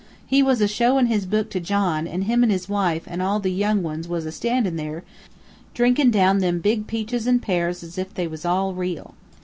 He was a showin' his book to John, and him and his wife and all the young ones was a standin' there, drinkin' down them big peaches and pears as if they was all real.